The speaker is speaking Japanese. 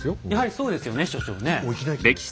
やはりそうですよね所長ねえ。